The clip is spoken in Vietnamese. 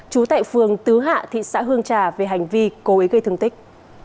trú tại phường tứ hạ thị xã hương trà về hành vi cố ý gây thương tích